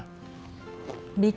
bikin polusi di bandung